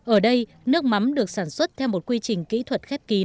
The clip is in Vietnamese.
ở đây nước mắm được sản xuất theo một quy trình kỹ thuật